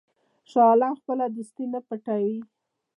شاه عالم خپله دوستي نه پټوي.